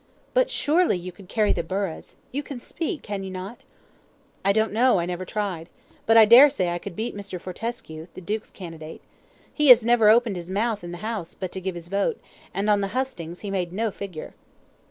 But, surely, you could carry the burghs you can speak, can you not?" "I don't know, I never tried; but I dare say I could beat Mr. Fortescue, the duke's candidate. He has never opened his mouth in the House, but to give his vote, and on the hustings he made no figure."